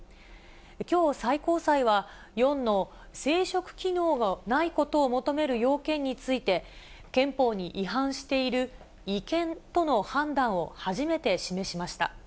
きょう最高裁は、４の生殖機能のないことを求める要件について、憲法に違反している、違憲との判断を初めて示しました。